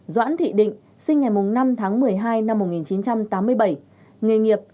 doãn thị định sinh ngày năm tháng một mươi hai năm một nghìn chín trăm tám mươi bảy nghề nghiệp